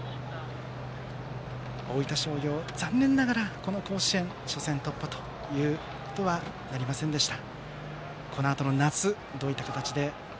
大分商業、残念ながらこの甲子園で初戦突破とはなりませんでした。